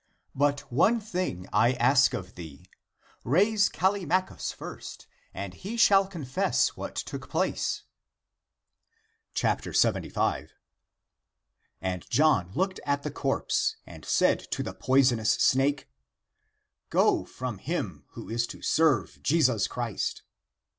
But one thing I ask of thee. Raise Callimachus first, and he shall confess what took place." 75. And John looked at the corpse and said to :he poisonous snake, " Go from him who is to serve Jesus Christ